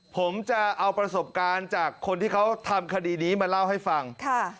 ผมจะเอาประสบการณ์จากคนที่เขาทำคดีนี้มาเล่าให้ฟัง